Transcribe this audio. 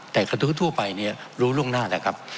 แต่กระทู้ทั่วไปเนี่ยรู้ล่วงหน้าแล้วครับ